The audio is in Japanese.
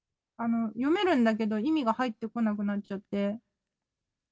読めるんだけど意味が入ってこなくなっちゃって。